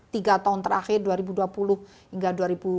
tiga tahun terakhir dua ribu dua puluh hingga dua ribu dua puluh satu